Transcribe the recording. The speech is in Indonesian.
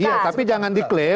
iya tapi jangan diklaim